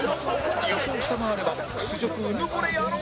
予想を下回れば屈辱うぬぼれ野郎に！